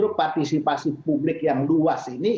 justru partisipasi publik yang luas ini